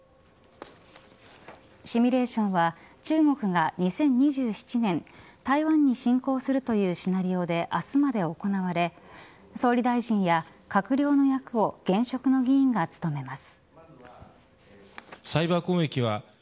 シミュレーションは中国が２０２７年台湾に侵攻するというシナリオで明日まで行われ総理大臣や閣僚の役を現職の議員が務めます。